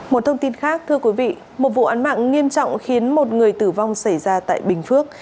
một thông tin khác thưa quý vị một vụ án mạng nghiêm trọng khiến một người tử vong xảy ra tại bình phước